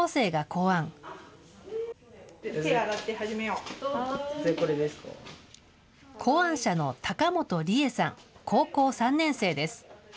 考案者の高本理恵さん、高校３年生です。